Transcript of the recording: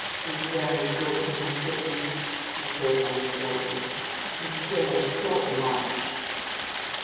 "Be very good to him, Sidney," she said unsteadily. "He cares so much."